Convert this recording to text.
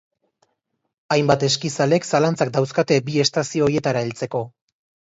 Hainbat eskizalek zalantzak dauzkate bi estazio horietara heltzeko.